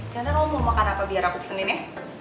chandra lu mau makan apa biar aku pesenin ya